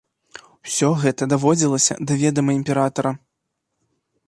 Усё гэта даводзілася да ведама імператара.